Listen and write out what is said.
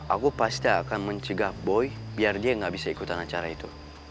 aku pasti akan mencegah boy biar dia gak bisa ikutan acara itu